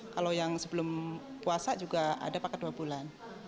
kalau yang sebelum puasa juga ada paket dua bulan